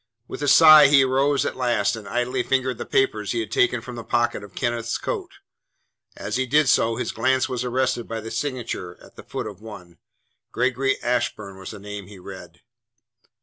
With a sigh he rose at last and idly fingered the papers he had taken from the pocket of Kenneth's coat. As he did so his glance was arrested by the signature at the foot of one. "Gregory Ashburn" was the name he read.